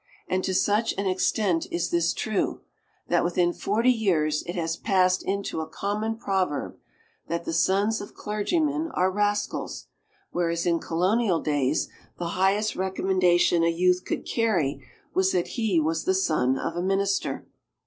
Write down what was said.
And to such an extent is this true, that within forty years it has passed into a common proverb that the sons of clergymen are rascals, whereas in Colonial days the highest recommendation a youth could carry was that he was the son of a minister.